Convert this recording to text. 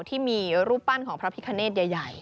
ที่มีรูปปั้นของพระพิคเนตใหญ่